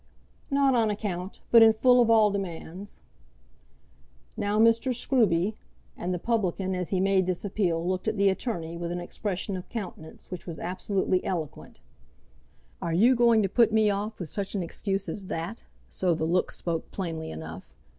"Not on account, but in full of all demands." "Now Mr. Scruby!" and the publican as he made this appeal looked at the attorney with an expression of countenance which was absolutely eloquent. "Are you going to put me off with such an excuse as that?" so the look spoke plainly enough.